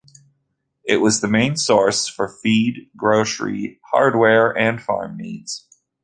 It was the main source for feed, grocery, hardware and farm needs.